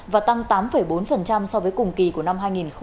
và tăng tám bốn so với cùng kỳ của năm hai nghìn hai mươi